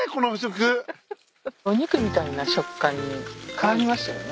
お肉みたいな食感に変わりますよね。